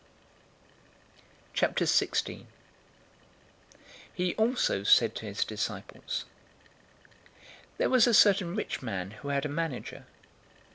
'" 016:001 He also said to his disciples, "There was a certain rich man who had a manager.